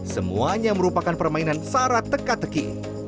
semuanya merupakan permainan syarat teka teki